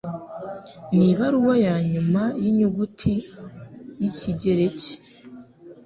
Nibaruwa Yanyuma Yinyuguti yikigereki